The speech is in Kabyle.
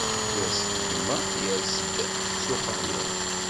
Yers-d gma, yers-d s uxayel.